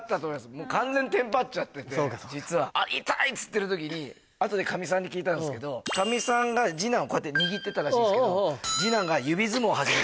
もう完全にテンパっちゃってて実は「痛い！」っつってる時に後でかみさんに聞いたんですけどかみさんが二男をこうやってにぎってたらしいんですけど。